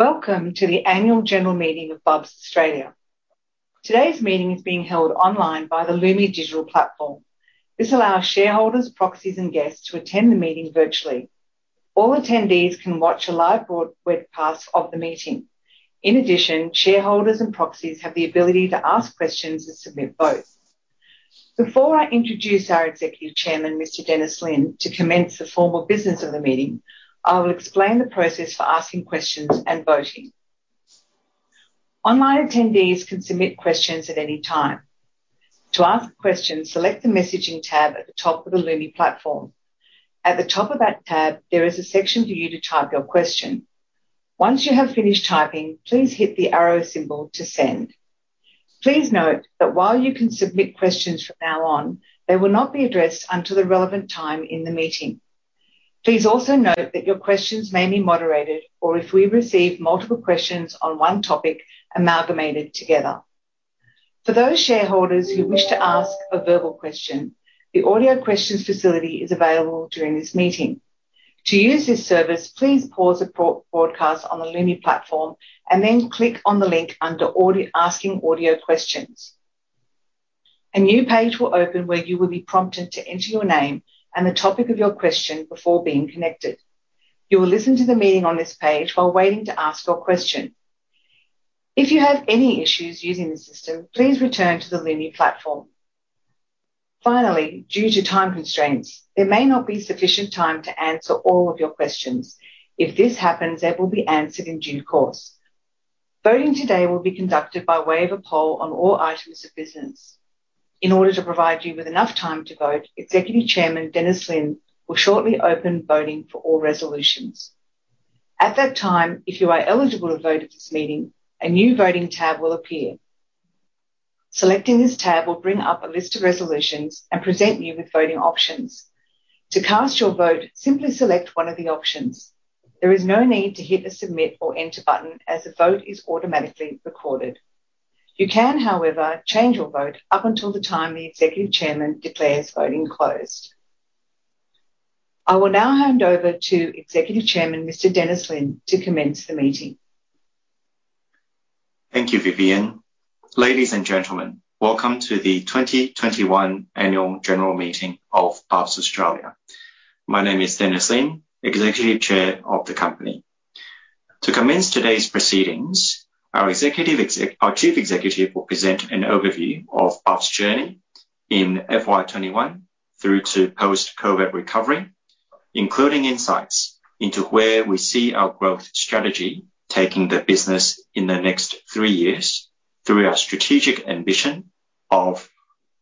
Welcome to the annual general meeting of Bubs Australia. Today's meeting is being held online by the Lumi Digital platform. This allows shareholders, proxies, and guests to attend the meeting virtually. All attendees can watch a live broadcast of the meeting. In addition, shareholders and proxies have the ability to ask questions and submit votes. Before I introduce our Executive Chairman, Mr. Dennis Lin, to commence the formal business of the meeting, I will explain the process for asking questions and voting. Online attendees can submit questions at any time. To ask a question, select the messaging tab at the top of the Lumi platform. At the top of that tab, there is a section for you to type your question. Once you have finished typing, please hit the arrow symbol to send. Please note that while you can submit questions from now on, they will not be addressed until the relevant time in the meeting. Please also note that your questions may be moderated or if we receive multiple questions on one topic, amalgamated together. For those shareholders who wish to ask a verbal question, the audio questions facility is available during this meeting. To use this service, please pause the pro-broadcast on the Lumi platform and then click on the link under asking audio questions. A new page will open where you will be prompted to enter your name and the topic of your question before being connected. You will listen to the meeting on this page while waiting to ask your question. If you have any issues using the system, please return to the Lumi platform. Finally, due to time constraints, there may not be sufficient time to answer all of your questions. If this happens, they will be answered in due course. Voting today will be conducted by way of a poll on all items of business. In order to provide you with enough time to vote, Executive Chairman Dennis Lin will shortly open voting for all resolutions. At that time, if you are eligible to vote at this meeting, a new voting tab will appear. Selecting this tab will bring up a list of resolutions and present you with voting options. To cast your vote, simply select one of the options. There is no need to hit the Submit or Enter button as the vote is automatically recorded. You can, however, change your vote up until the time the Executive Chairman declares voting closed. I will now hand over to Executive Chairman Mr. Dennis Lin to commence the meeting. Thank you, Vivian. Ladies and gentlemen, welcome to the 2021 annual general meeting of Bubs Australia. My name is Dennis Lin, Executive Chair of the company. To commence today's proceedings, our Chief Executive will present an overview of Bubs' journey in FY 2021 through to post-COVID recovery, including insights into where we see our growth strategy taking the business in the next three years through our strategic ambition of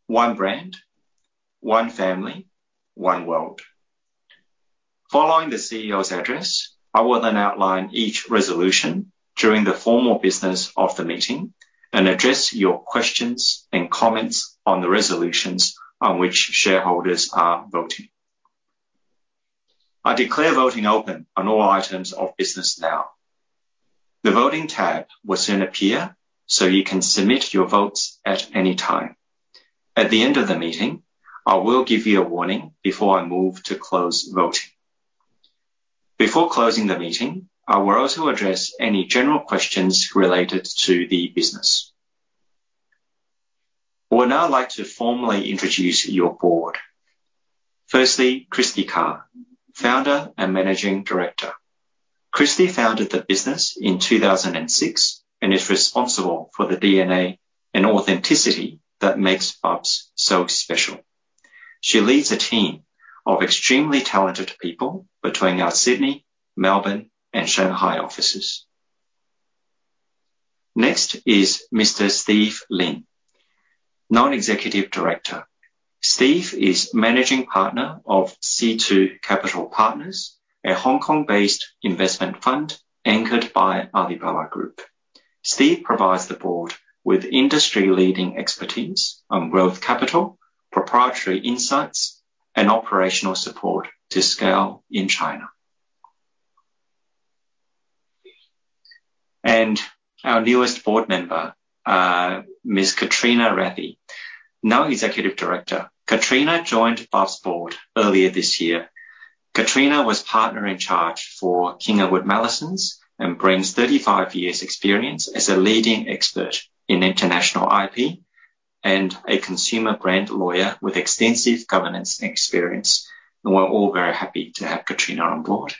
one brand, one family, one world. Following the CEO's address, I will then outline each resolution during the formal business of the meeting and address your questions and comments on the resolutions on which shareholders are voting. I declare voting open on all items of business now. The voting tab will soon appear, so you can submit your votes at any time. At the end of the meeting, I will give you a warning before I move to close voting. Before closing the meeting, I will also address any general questions related to the business. I would now like to formally introduce your board. Firstly, Kristy Carr, Founder and Managing Director. Kristy founded the business in 2006 and is responsible for the DNA and authenticity that makes Bubs so special. She leads a team of extremely talented people between our Sydney, Melbourne, and Shanghai offices. Next is Mr. Steve Lin, Non-Executive Director. Steve is managing partner of C2 Capital Partners, a Hong Kong-based investment fund anchored by Alibaba Group. Steve provides the board with industry-leading expertise on growth capital, proprietary insights, and operational support to scale in China. Our newest board member, Ms. Katrina Rathie, Non-Executive Director. Katrina joined Bubs board earlier this year. Katrina was partner in charge for King & Wood Mallesons and brings 35 years’ experience as a leading expert in international IP and a consumer brand lawyer with extensive governance experience. We're all very happy to have Katrina on board.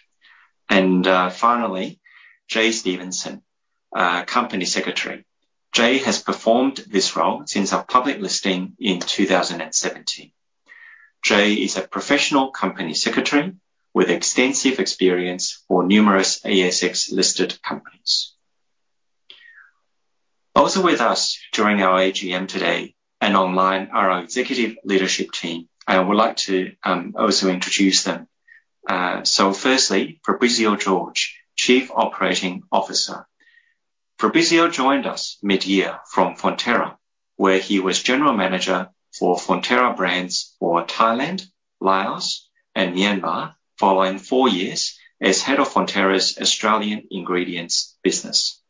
Finally, Jay Stephenson, Company Secretary. Jay has performed this role since our public listing in 2017. Jay is a professional company secretary with extensive experience for numerous ASX-listed companies. Also with us during our AGM today and online, our executive leadership team. I would like to also introduce them. Firstly, Fabrizio Jorge, Chief Operating Officer. Fabrizio joined us mid-year from Fonterra, where he was general manager for Fonterra brands for Thailand, Laos, and Myanmar, following four years as head of Fonterra's Australian ingredients business.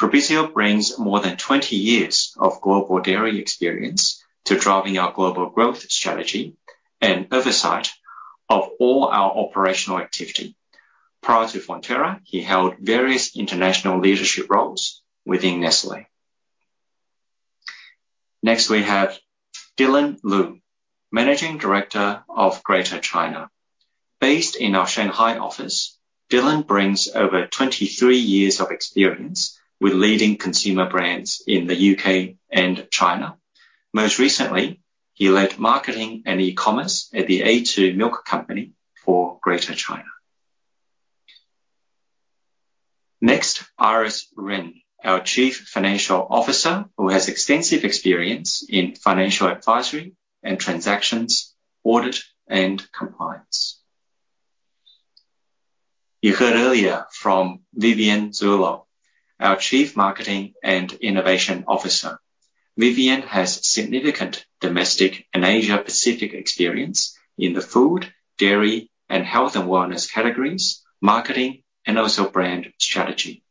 Fabrizio brings more than 20 years of global dairy experience to driving our global growth strategy and oversight of all our operational activity. Prior to Fonterra, he held various international leadership roles within Nestlé. Next, we have Dylan Lu, Managing Director of Greater China. Based in our Shanghai office, Dylan brings over 23 years of experience with leading consumer brands in the U.K. and China. Most recently, he led marketing and e-commerce at the A2 Milk Company for Greater China. Next, Iris Ren, our Chief Financial Officer, who has extensive experience in financial advisory and transactions, audit and compliance. You heard earlier from Vivian Zurlo, our Chief Marketing and Innovation Officer. Vivian has significant domestic and Asia Pacific experience in the food, dairy and health and wellness categories, marketing and also brand strategy.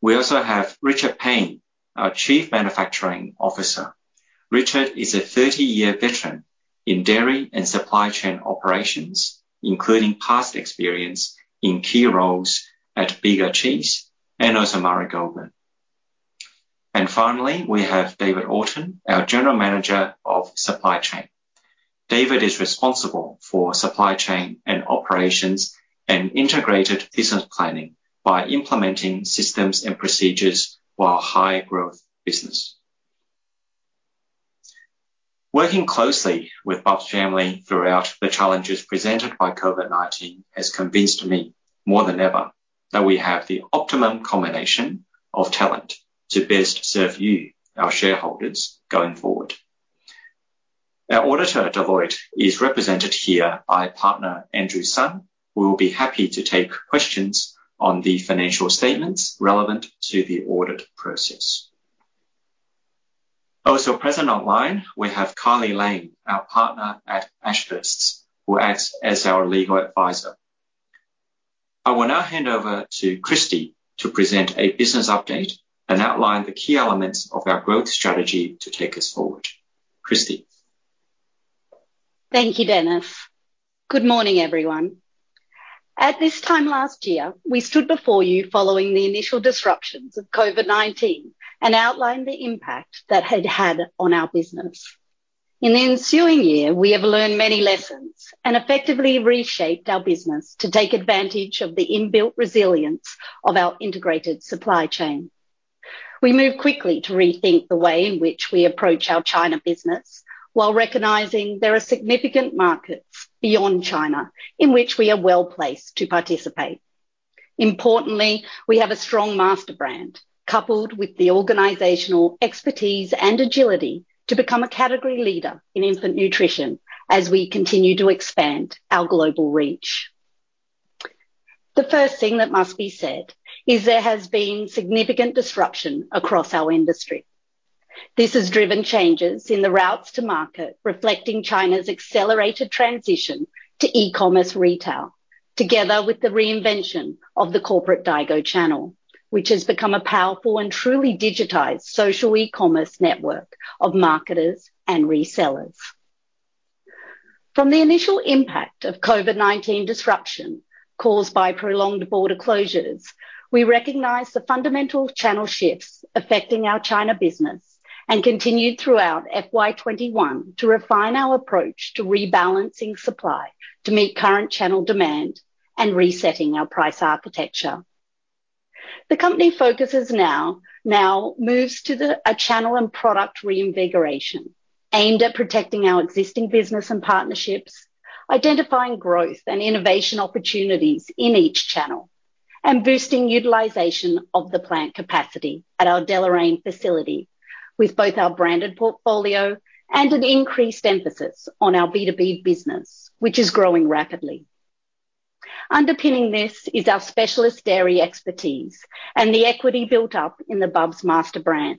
We also have Richard Paine, our Chief Manufacturing Officer. Richard is a 30-year veteran in dairy and supply chain operations, including past experience in key roles at Bega Cheese and also Marigold. Finally, we have David Orton, our General Manager of Supply Chain. David is responsible for supply chain and operations and integrated business planning by implementing systems and procedures for our high-growth business. Working closely with Bubs family throughout the challenges presented by COVID-19 has convinced me more than ever that we have the optimum combination of talent to best serve you, our shareholders, going forward. Our auditor, Deloitte, is represented here by partner Andrew Sun, who will be happy to take questions on the financial statements relevant to the audit process. Also present online, we have Carly Lane, our Partner at Ashurst, who acts as our legal advisor. I will now hand over to Kristy Carr to present a business update and outline the key elements of our growth strategy to take us forward. Kristy Carr. Thank you, Dennis. Good morning, everyone. At this time last year, we stood before you following the initial disruptions of COVID-19 and outlined the impact that had had on our business. In the ensuing year, we have learned many lessons and effectively reshaped our business to take advantage of the inbuilt resilience of our integrated supply chain. We moved quickly to rethink the way in which we approach our China business while recognizing there are significant markets beyond China in which we are well-placed to participate. Importantly, we have a strong master brand, coupled with the organizational expertise and agility to become a category leader in infant nutrition as we continue to expand our global reach. The first thing that must be said is there has been significant disruption across our industry. This has driven changes in the routes to market, reflecting China's accelerated transition to e-commerce retail, together with the reinvention of the corporate Daigou channel, which has become a powerful and truly digitized social e-commerce network of marketers and resellers. From the initial impact of COVID-19 disruption caused by prolonged border closures, we recognized the fundamental channel shifts affecting our China business and continued throughout FY 2021 to refine our approach to rebalancing supply to meet current channel demand and resetting our price architecture. The company focus now moves to the channel and product reinvigoration aimed at protecting our existing business and partnerships, identifying growth and innovation opportunities in each channel, and boosting utilization of the plant capacity at our Deloraine facility with both our branded portfolio and an increased emphasis on our B2B business, which is growing rapidly. Underpinning this is our specialist dairy expertise and the equity built up in the Bubs master brand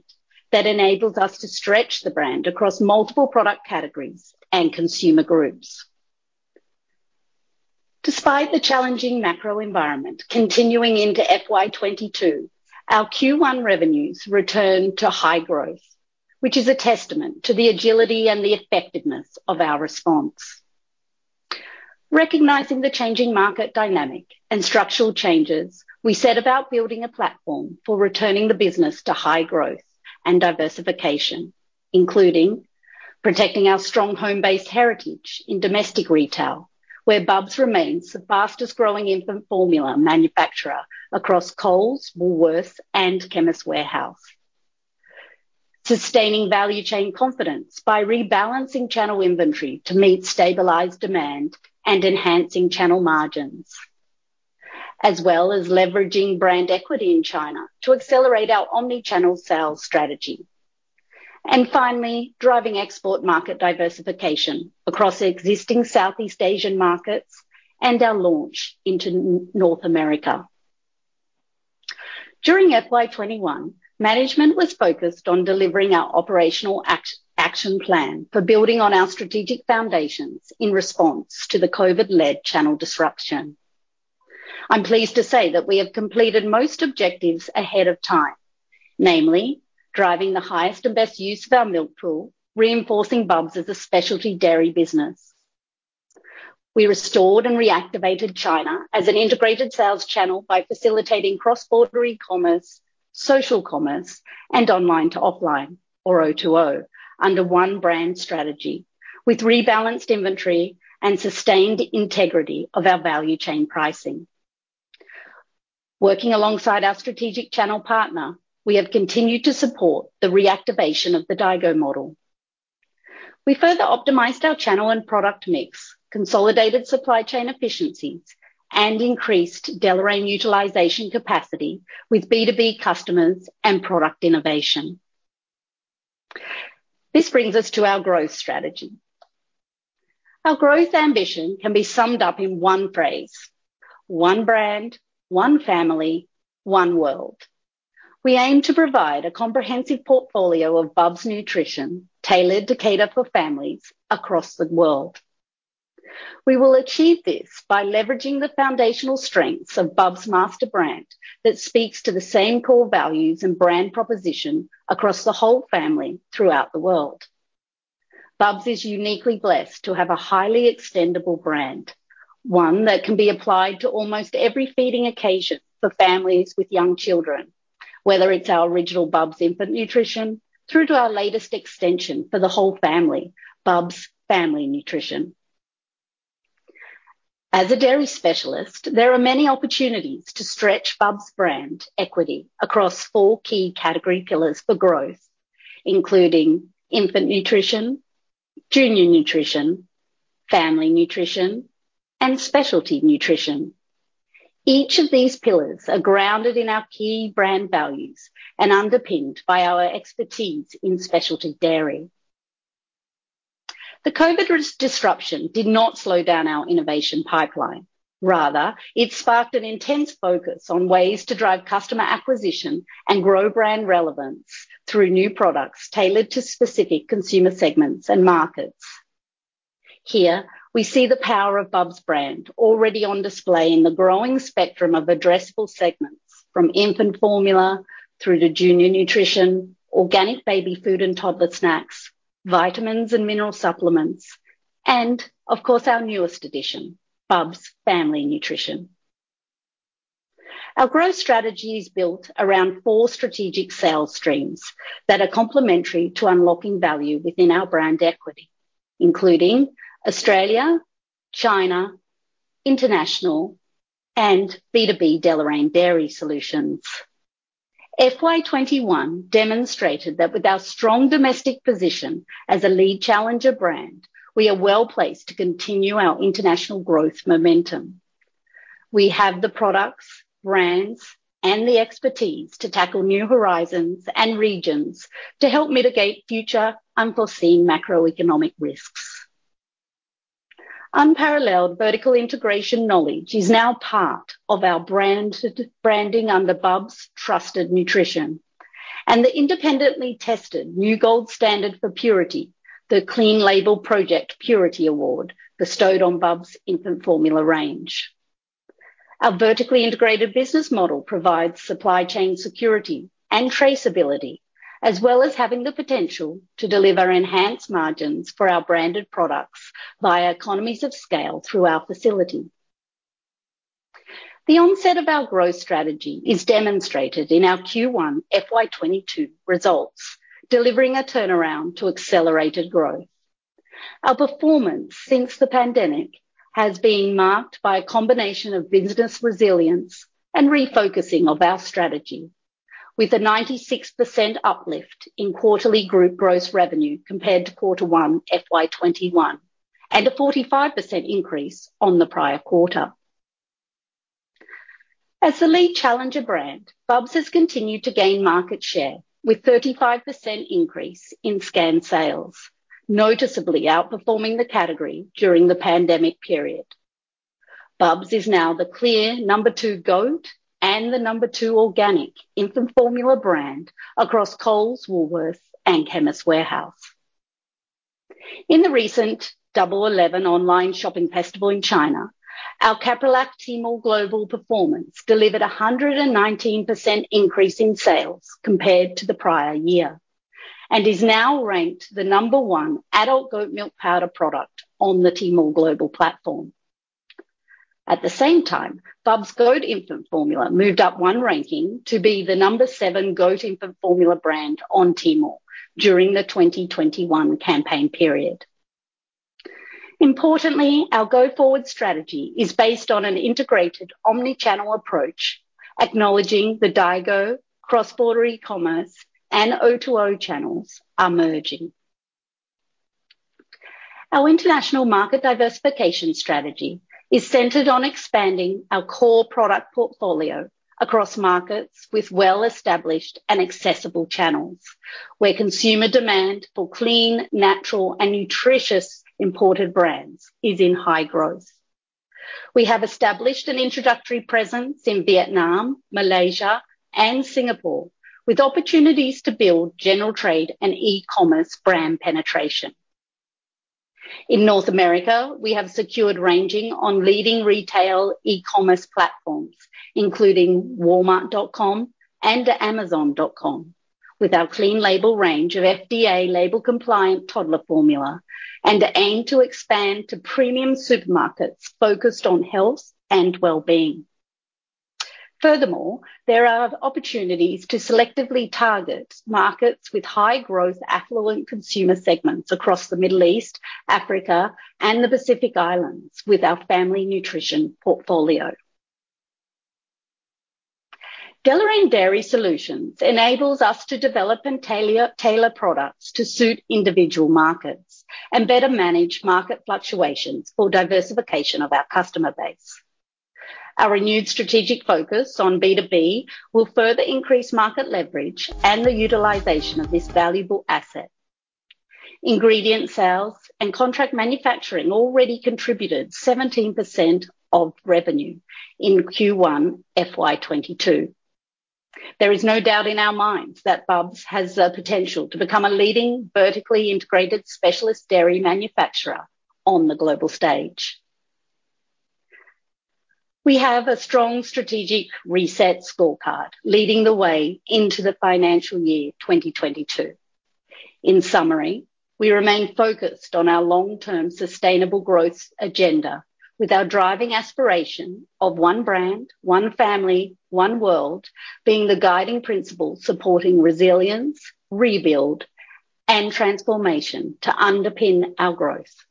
that enables us to stretch the brand across multiple product categories and consumer groups. Despite the challenging macro environment continuing into FY 2022, our Q1 revenues returned to high growth, which is a testament to the agility and the effectiveness of our response. Recognizing the changing market dynamic and structural changes, we set about building a platform for returning the business to high growth and diversification, including protecting our strong home-based heritage in domestic retail, where Bubs remains the fastest-growing infant formula manufacturer across Coles, Woolworths and Chemist Warehouse. Sustaining value chain confidence by rebalancing channel inventory to meet stabilized demand and enhancing channel margins, as well as leveraging brand equity in China to accelerate our omni-channel sales strategy. Finally, driving export market diversification across existing Southeast Asian markets and our launch into North America. During FY 2021, management was focused on delivering our operational action plan for building on our strategic foundations in response to the COVID-led channel disruption. I'm pleased to say that we have completed most objectives ahead of time, namely driving the highest and best use of our milk pool, reinforcing Bubs as a specialty dairy business. We restored and reactivated China as an integrated sales channel by facilitating cross-border e-commerce, social commerce and online to offline or O2O under one brand strategy with rebalanced inventory and sustained integrity of our value chain pricing. Working alongside our strategic channel partner, we have continued to support the reactivation of the Daigou model. We further optimized our channel and product mix, consolidated supply chain efficiencies, and increased Deloraine utilization capacity with B2B customers and product innovation. This brings us to our growth strategy. Our growth ambition can be summed up in one phrase, one brand, one family, one world. We aim to provide a comprehensive portfolio of Bubs nutrition tailored to cater for families across the world. We will achieve this by leveraging the foundational strengths of Bubs master brand that speaks to the same core values and brand proposition across the whole family throughout the world. Bubs is uniquely blessed to have a highly extendable brand, one that can be applied to almost every feeding occasion for families with young children, whether it's our original Bubs infant nutrition through to our latest extension for the whole family, Bubs Family Nutrition. As a dairy specialist, there are many opportunities to stretch Bubs brand equity across four key category pillars for growth, including infant nutrition, junior nutrition, family nutrition, and specialty nutrition. Each of these pillars are grounded in our key brand values and underpinned by our expertise in specialty dairy. The COVID disruption did not slow down our innovation pipeline. Rather, it sparked an intense focus on ways to drive customer acquisition and grow brand relevance through new products tailored to specific consumer segments and markets. Here we see the power of Bubs brand already on display in the growing spectrum of addressable segments from infant formula through to junior nutrition, organic baby food and toddler snacks, vitamins and mineral supplements, and of course our newest addition, Bubs Family Nutrition. Our growth strategy is built around four strategic sales streams that are complementary to unlocking value within our brand equity, including Australia, China, international, and B2B Deloraine Dairy Solutions. FY 2021 demonstrated that with our strong domestic position as a lead challenger brand, we are well placed to continue our international growth momentum. We have the products, brands and the expertise to tackle new horizons and regions to help mitigate future unforeseen macroeconomic risks. Unparalleled vertical integration knowledge is now part of our branded branding under Bubs Trusted Nutrition and the independently tested new gold standard for purity, the Clean Label Project Purity Award bestowed on Bubs infant formula range. Our vertically integrated business model provides supply chain security and traceability, as well as having the potential to deliver enhanced margins for our branded products via economies of scale through our facility. The onset of our growth strategy is demonstrated in our Q1 FY 2022 results, delivering a turnaround to accelerated growth. Our performance since the pandemic has been marked by a combination of business resilience and refocusing of our strategy with a 96% uplift in quarterly group gross revenue compared to Q1, FY 2021, and a 45% increase on the prior quarter. As the lead challenger brand, Bubs has continued to gain market share with 35% increase in scanned sales, noticeably outperforming the category during the pandemic period. Bubs is now the clear number two goat and the number two organic infant formula brand across Coles, Woolworths and Chemist Warehouse. In the recent Double Eleven online shopping festival in China, our CapriLac Tmall Global performance delivered a 119% increase in sales compared to the prior year and is now ranked the number one adult goat milk powder product on the Tmall Global platform. At the same time, Bubs goat infant formula moved up one ranking to be the number seven goat infant formula brand on Tmall during the 2021 campaign period. Importantly, our go forward strategy is based on an integrated omni-channel approach, acknowledging the Daigou cross-border e-commerce and O2O channels are merging. Our international market diversification strategy is centered on expanding our core product portfolio across markets with well-established and accessible channels, where consumer demand for clean, natural and nutritious imported brands is in high growth. We have established an introductory presence in Vietnam, Malaysia, and Singapore with opportunities to build general trade and e-commerce brand penetration. In North America, we have secured ranging on leading retail e-commerce platforms, including Walmart.com and Amazon.com with our clean label range of FDA label compliant toddler formula and aim to expand to premium supermarkets focused on health and wellbeing. Furthermore, there are opportunities to selectively target markets with high growth affluent consumer segments across the Middle East, Africa, and the Pacific Islands with our family nutrition portfolio. Deloraine Dairy enables us to develop and tailor products to suit individual markets and better manage market fluctuations for diversification of our customer base. Our renewed strategic focus on B2B will further increase market leverage and the utilization of this valuable asset. Ingredient sales and contract manufacturing already contributed 17% of revenue in Q1 FY 2022. There is no doubt in our minds that Bubs has the potential to become a leading vertically integrated specialist dairy manufacturer on the global stage. We have a strong strategic reset scorecard leading the way into the financial year 2022. In summary, we remain focused on our long-term sustainable growth agenda with our driving aspiration of one brand, one family, one world being the guiding principle supporting resilience, rebuild, and transformation to underpin our growth.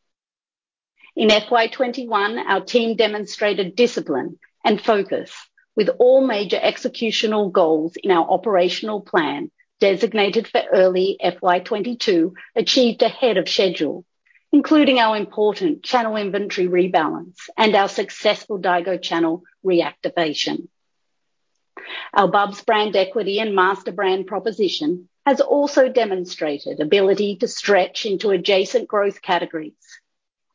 In FY 2021, our team demonstrated discipline and focus with all major executional goals in our operational plan designated for early FY 2022 achieved ahead of schedule, including our important channel inventory rebalance and our successful Daigou channel reactivation. Our Bubs brand equity and master brand proposition has also demonstrated ability to stretch into adjacent growth categories.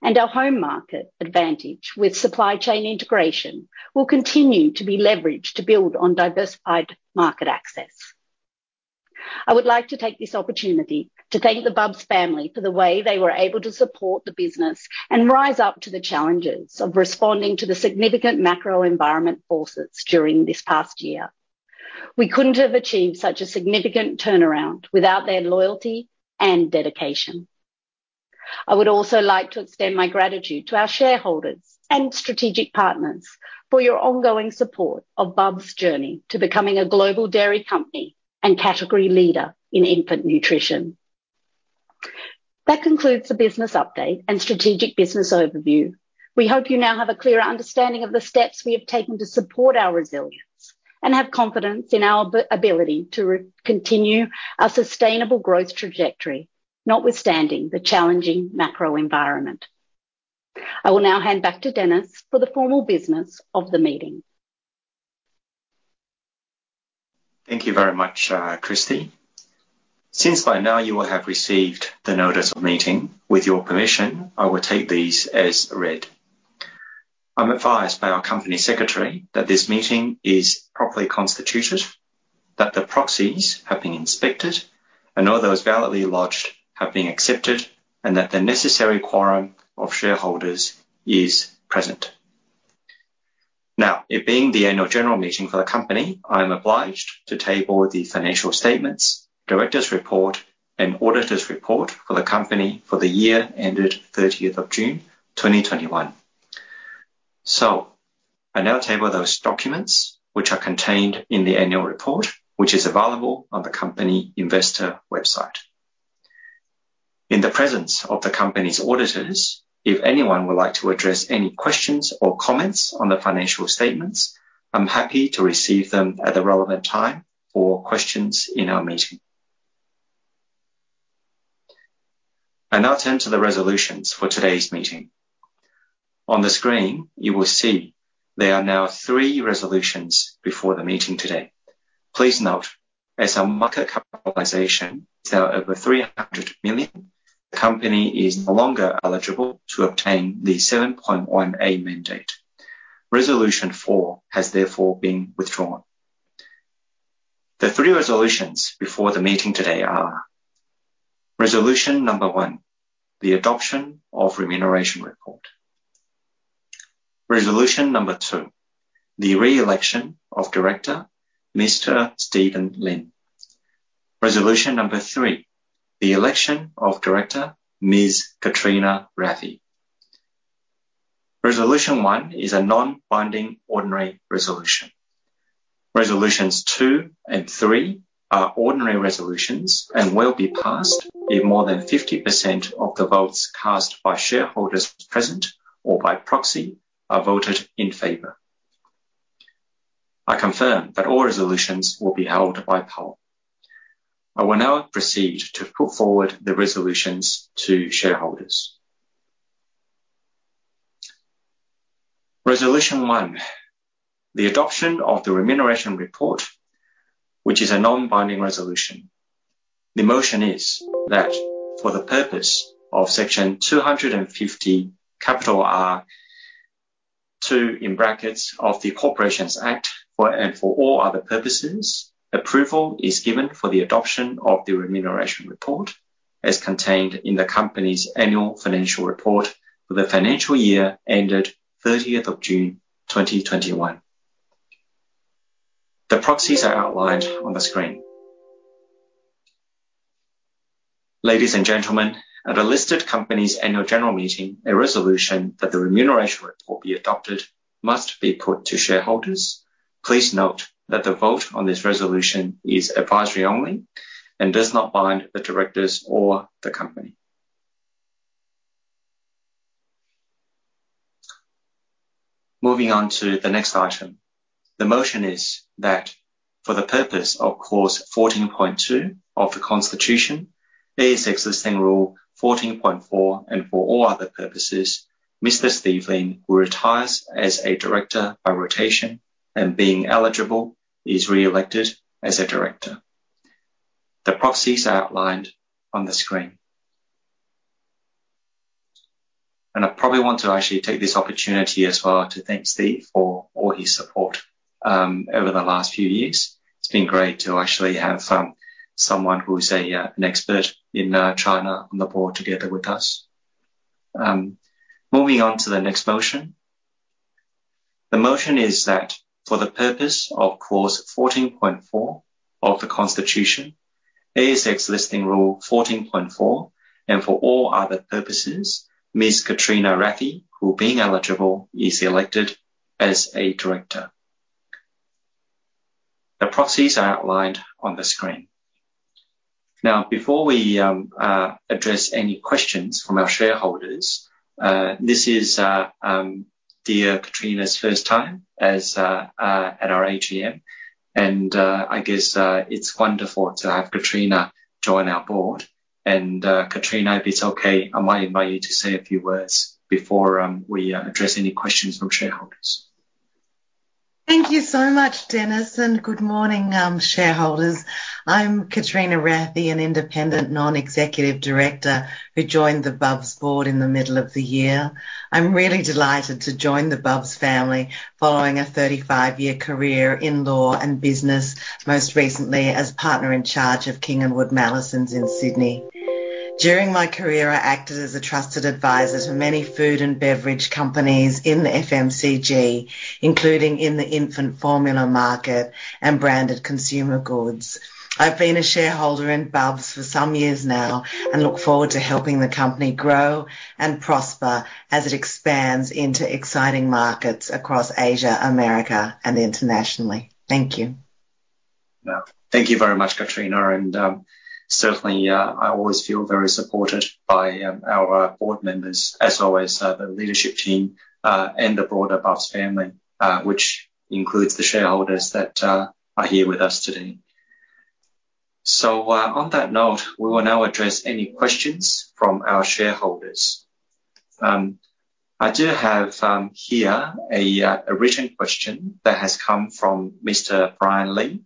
Our home market advantage with supply chain integration will continue to be leveraged to build on diversified market access. I would like to take this opportunity to thank the Bubs family for the way they were able to support the business and rise up to the challenges of responding to the significant macro environment forces during this past year. We couldn't have achieved such a significant turnaround without their loyalty and dedication. I would also like to extend my gratitude to our shareholders and strategic partners for your ongoing support of Bubs' journey to becoming a global dairy company and category leader in infant nutrition. That concludes the business update and strategic business overview. We hope you now have a clear understanding of the steps we have taken to support our resilience and have confidence in our ability to continue our sustainable growth trajectory, notwithstanding the challenging macro environment. I will now hand back to Dennis for the formal business of the meeting. Thank you very much, Kristy. Since by now you will have received the notice of meeting, with your permission, I will take these as read. I'm advised by our company secretary that this meeting is properly constituted, that the proxies have been inspected and all those validly lodged have been accepted, and that the necessary quorum of shareholders is present. Now, it being the annual general meeting for the company, I am obliged to table the financial statements, directors' report and auditors' report for the company for the year ended June 30th, 2021. I now table those documents which are contained in the annual report, which is available on the company investor website. In the presence of the company's auditors, if anyone would like to address any questions or comments on the financial statements, I'm happy to receive them at the relevant time for questions in our meeting. I now turn to the resolutions for today's meeting. On the screen, you will see there are now three resolutions before the meeting today. Please note, as our market capitalization is now over 300 million, the company is no longer eligible to obtain the ASX Listing Rule 7.1A mandate. Resolution four has therefore been withdrawn. The three resolutions before the meeting today are resolution number one, the adoption of Remuneration Report. Resolution number two, the re-election of Director Mr. Steven Lin. Resolution number three, the election of Director Ms. Katrina Rathie. Resolution one is a non-binding ordinary resolution. Resolutions two and three are ordinary resolutions and will be passed if more than 50% of the votes cast by shareholders present or by proxy are voted in favor. I confirm that all resolutions will be held by poll. I will now proceed to put forward the resolutions to shareholders. Resolution one, the adoption of the remuneration report, which is a non-binding resolution. The motion is that for the purpose of Section 250R(2) of the Corporations Act, and for all other purposes, approval is given for the adoption of the remuneration report as contained in the company's annual financial report for the financial year ended June 30th, 2021. The proxies are outlined on the screen. Ladies and gentlemen, at a listed company's annual general meeting, a resolution that the remuneration report be adopted must be put to shareholders. Please note that the vote on this resolution is advisory only and does not bind the directors or the company. Moving on to the next item. The motion is that for the purpose of Clause 14.2 of the Constitution, ASX Listing Rule 14.4, and for all other purposes, Mr. Steve Lin will retires as a director by rotation and being eligible, is re-elected as a director. The proxies are outlined on the screen. I probably want to actually take this opportunity as well to thank Steve for all his support over the last few years. It's been great to actually have someone who is an expert in China on the board together with us. Moving on to the next motion. The motion is that for the purpose of Clause 14.4 of the Constitution, ASX Listing Rule 14.4, and for all other purposes, Ms. Katrina Rathie, who being eligible, is elected as a director. The proxies are outlined on the screen. Now, before we address any questions from our shareholders, this is dear Katrina's first time at our AGM. I guess it's wonderful to have Katrina join our board. Katrina, if it's okay, I might invite you to say a few words before we address any questions from shareholders. Thank you so much, Dennis, and good morning, shareholders. I'm Katrina Rathie, an Independent Non-Executive Director who joined the Bubs board in the middle of the year. I'm really delighted to join the Bubs family following a 35-year career in law and business, most recently as Partner in charge of King & Wood Mallesons in Sydney. During my career, I acted as a trusted advisor to many food and beverage companies in the FMCG, including in the infant formula market and branded consumer goods. I've been a shareholder in Bubs for some years now and look forward to helping the company grow and prosper as it expands into exciting markets across Asia, America and internationally. Thank you. Thank you very much, Katrina. Certainly, I always feel very supported by our board members, as always, the leadership team, and the broader Bubs family, which includes the shareholders that are here with us today. On that note, we will now address any questions from our shareholders. I do have here a written question that has come from Mr. Brian Lee.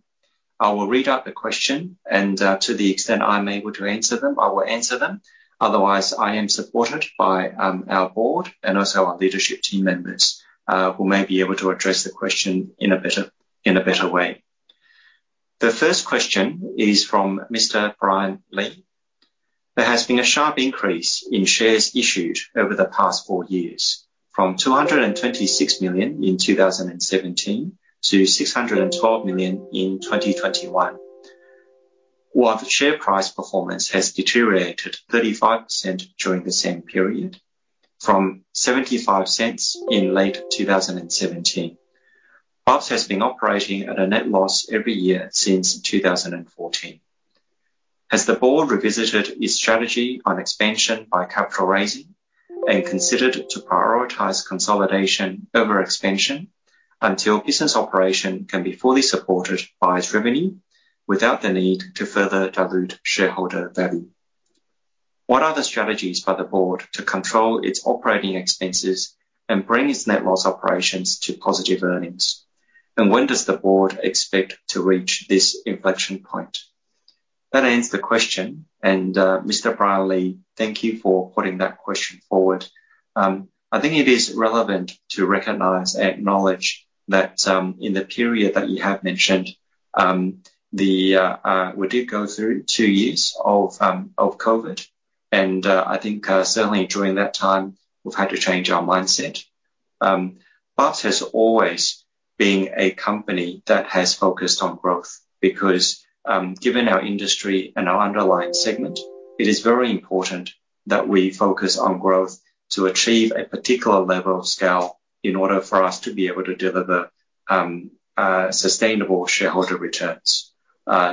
I will read out the question, and to the extent I'm able to answer them, I will answer them. Otherwise, I am supported by our board and also our leadership team members, who may be able to address the question in a better way. The first question is from Mr. Brian Lee. There has been a sharp increase in shares issued over the past four years. From 226 million in 2017 to 612 million in 2021, while the share price performance has deteriorated 35% during the same period from 0.75 in late 2017. Bubs has been operating at a net loss every year since 2014. Has the board revisited its strategy on expansion by capital raising and considered to prioritize consolidation over expansion until business operation can be fully supported by its revenue without the need to further dilute shareholder value? What are the strategies by the board to control its operating expenses and bring its net loss operations to positive earnings? When does the board expect to reach this inflection point? That ends the question. Mr. Brian Lee, thank you for putting that question forward. I think it is relevant to recognize and acknowledge that, in the period that you have mentioned, we did go through two years of COVID. I think, certainly during that time, we've had to change our mindset. Bubs has always been a company that has focused on growth because, given our industry and our underlying segment, it is very important that we focus on growth to achieve a particular level of scale in order for us to be able to deliver sustainable shareholder returns.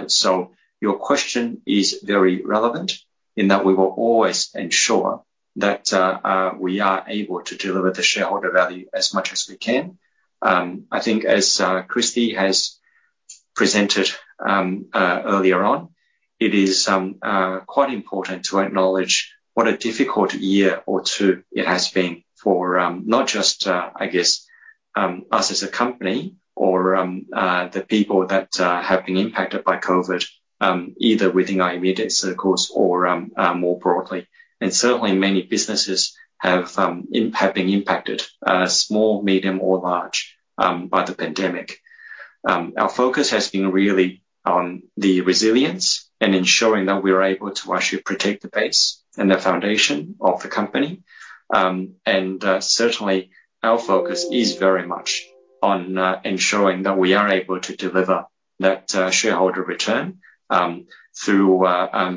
So your question is very relevant in that we will always ensure that we are able to deliver the shareholder value as much as we can. I think as Kristy has presented earlier on. It is quite important to acknowledge what a difficult year or two it has been for not just I guess us as a company or the people that have been impacted by COVID either within our immediate circles or more broadly. Certainly many businesses have been impacted small medium or large by the pandemic. Our focus has been really on the resilience and ensuring that we are able to actually protect the base and the foundation of the company. Certainly our focus is very much on ensuring that we are able to deliver that shareholder return through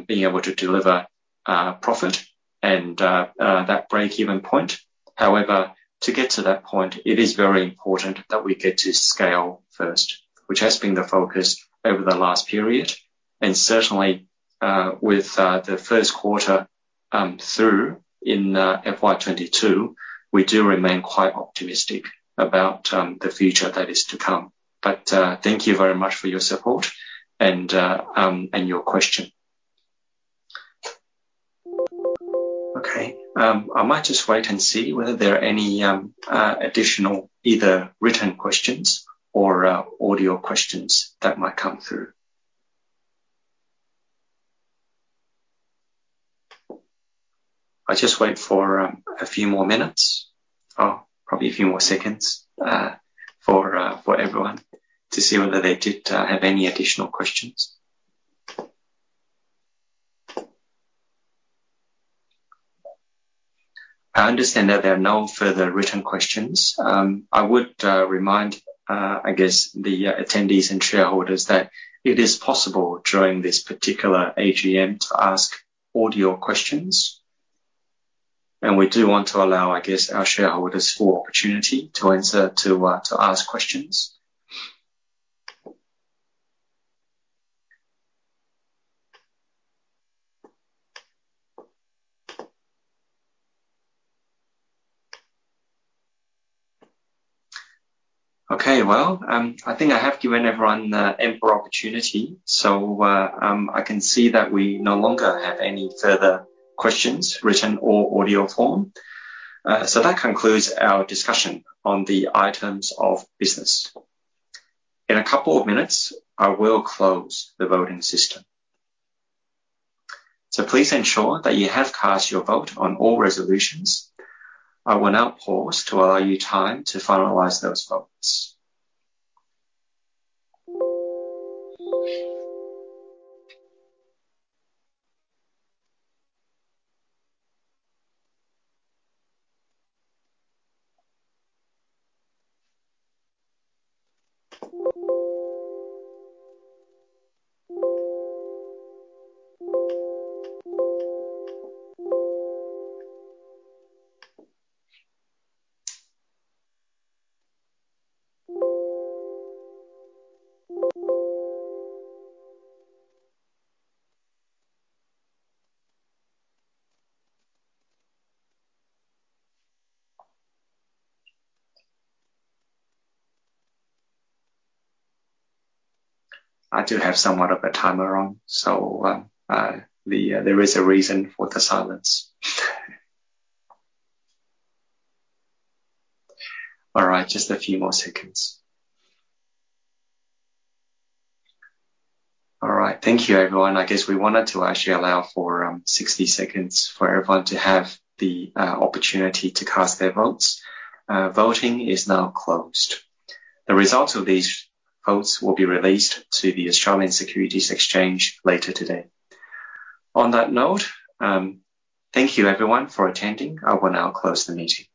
being able to deliver profit and that break-even point. However, to get to that point, it is very important that we get to scale first, which has been the focus over the last period. Certainly, with the first quarter through end of FY 2022, we do remain quite optimistic about the future that is to come. Thank you very much for your support and your question. Okay. I might just wait and see whether there are any additional either written questions or audio questions that might come through. I'll just wait for a few more minutes or probably a few more seconds for everyone to see whether they did have any additional questions. I understand that there are no further written questions. I would remind, I guess, the attendees and shareholders that it is possible during this particular AGM to ask audio questions, and we do want to allow, I guess, our shareholders full opportunity to answer, to ask questions. Okay, I think I have given everyone the ample opportunity, so, I can see that we no longer have any further questions, written or audio form. That concludes our discussion on the items of business. In a couple of minutes, I will close the voting system. Please ensure that you have cast your vote on all resolutions. I will now pause to allow you time to finalize those votes. I do have somewhat of a timer on, so, there is a reason for the silence. All right, just a few more seconds. All right. Thank you, everyone. I guess we wanted to actually allow for 60 seconds for everyone to have the opportunity to cast their votes. Voting is now closed. The results of these votes will be released to the Australian Securities Exchange later today. On that note, thank you everyone for attending. I will now close the meeting.